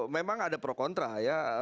memang ada pro kontra